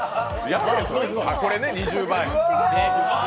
これね２０倍。